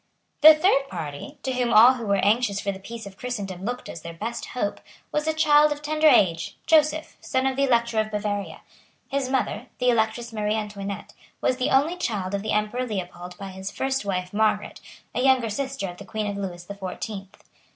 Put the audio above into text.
The third party, to whom all who were anxious for the peace of Christendom looked as their best hope, was a child of tender age, Joseph, son of the Elector of Bavaria. His mother, the Electress Mary Antoinette, was the only child of the Emperor Leopold by his first wife Margaret, a younger sister of the Queen of Lewis the Fourteenth.